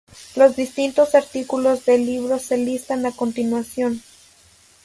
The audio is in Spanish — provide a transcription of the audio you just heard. Los distintos artículos del libro se listan a continuación.